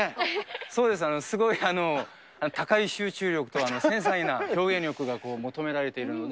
そうです、すごい高い集中力と繊細な表現力が求められているので。